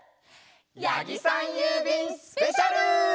やぎさんゆうびんスペシャル！